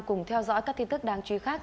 cùng theo dõi các tin tức đang truy khác